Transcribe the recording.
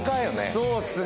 そうっすね。